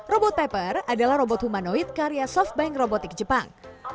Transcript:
robot pepper adalah robot humanoid karya softbank robotik jepang